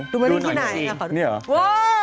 ดูมารึงที่ไหนนี่เหรอโห